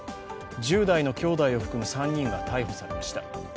１０代のきょうだいを含む３人が逮捕されました。